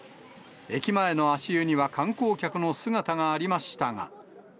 駅前の足湯には観光客の姿がありましたが。